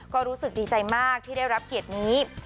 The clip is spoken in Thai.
ก็รู้สึกดีใจมากที่ได้รับเกียรตินี้